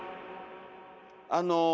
あの。